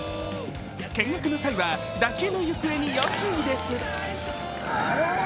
見学の際は打球の行方に要注意です。